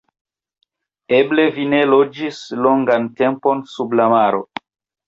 Eble vi ne loĝis longan tempon sub la maro.